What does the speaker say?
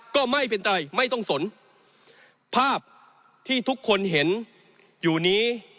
ก็ไม่เป็นไรไม่ต้องสนภาพที่ทุกคนเห็นอยู่นี้